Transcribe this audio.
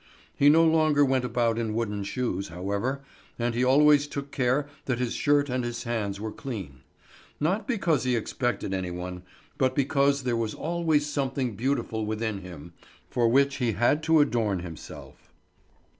He no longer went about in wooden shoes, however; and he always took care that his shirt and his hands were clean. Not because he expected any one, but because there was always something beautiful within him, for which he had to adorn himself.